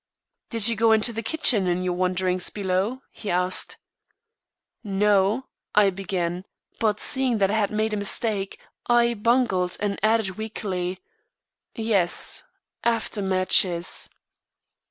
"Did you go into the kitchen in your wanderings below?" he asked. "No," I began, but seeing that I had made a mistake, I bungled and added weakly: "Yes; after matches."